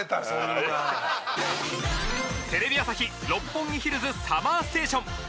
テレビ朝日・六本木ヒルズＳＵＭＭＥＲＳＴＡＴＩＯＮ。